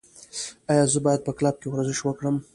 ایا زه باید په کلب کې ورزش وکړم؟